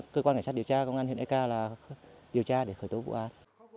cơ quan cảnh sát điều tra công an huyện ek là điều tra để khởi tố vụ án